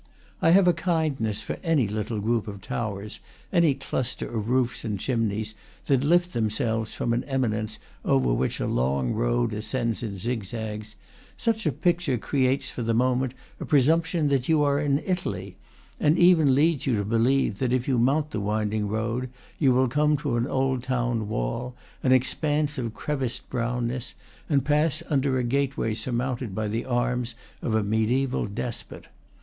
I have a kindness for any little group of towers, any cluster of roofs and chimneys, that lift themselves from an eminence over which a long road ascends in zigzags; such a picture creates for the mo ment a presumption that you are in Italy, and even leads you to believe that if you mount the winding road you will come to an old town wall, an expanse of creviced brownness, and pass under a gateway sur mounted by the arms of a mediaeval despot.